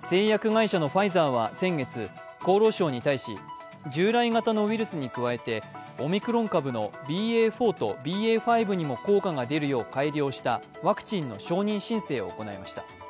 製薬会社のファイザーは先月、厚労省に対し従来型のウイルスに加えてオミクロン株のＢＡ．４とＢＡ．５にも効果が出るよう改良したワクチンの承認申請を行いました。